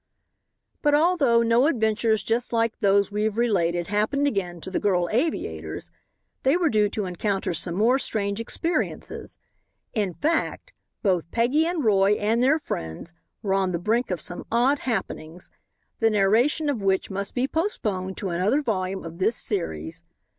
But although no adventures just like those we have related happened again to the Girl Aviators, they were due to encounter some more strange experiences. In fact, both Peggy and Roy and their friends were on the brink of some odd happenings, the narration of which must be postponed to another volume of this series.